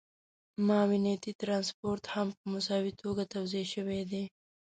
معاونيتي ټرانسپورټ هم په مساوي توګه توزیع شوی دی